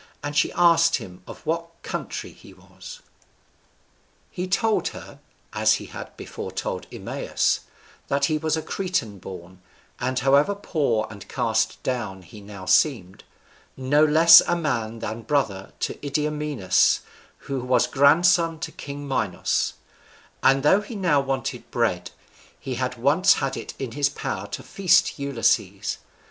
And she asked him of what country he was. He told her (as he had before told Eumaeus) that he was a Cretan born, and, however poor and cast down he now seemed, no less a man than brother to Idomeneus, who was grandson to king Minos; and though he now wanted bread, he had once had it in his power to feast Ulysses.